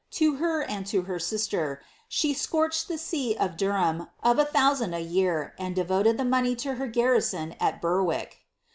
lo her end to her ajsier, sheecoiehfd the see of Durham of a thousand a year, and devoted ihe money to iter prriiion at Berwick.'